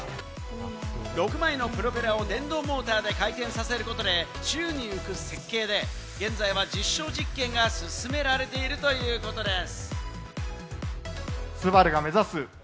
６枚のプロペラを電動モーターで回転させることで宙に浮く設計で、現在は実証実験が進められているということです。